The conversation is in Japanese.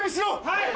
はい！